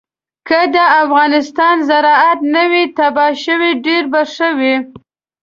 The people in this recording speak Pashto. که د افغانستان زراعت نه وی تباه شوی ډېر به ښه وو.